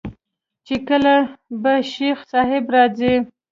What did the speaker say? چې کله به شيخ صاحب راځي.